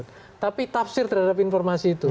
tapi tafsir terhadap informasi itu